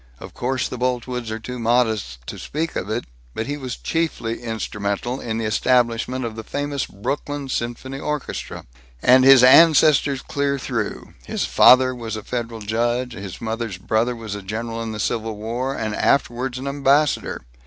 Of course the Boltwoods are too modest to speak of it, but he was chiefly instrumental in the establishment of the famous Brooklyn Symphony Orchestra. And his ancestors clear through his father was a federal judge, and his mother's brother was a general in the Civil War, and afterwards an ambassador.